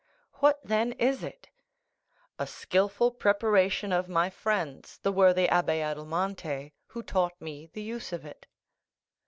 "What, then, is it?" "A skilful preparation of my friend's the worthy Abbé Adelmonte, who taught me the use of it."